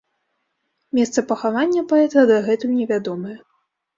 Месца пахавання паэта дагэтуль невядомае.